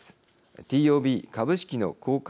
ＴＯＢ＝株式の公開